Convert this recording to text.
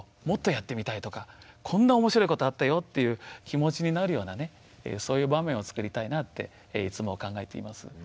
もっとやってみたいとかこんな面白いことあったよっていう気持ちになるようなねそういう場面をつくりたいなっていつも考えています。